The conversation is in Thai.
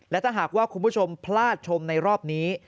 และถ้าหากว่าคุณผู้ชมพลาดชมในรอบนี้